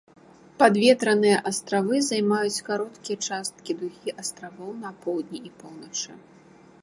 Падветраныя астравы займаюць кароткія часткі дугі астравоў на поўдні і поўначы.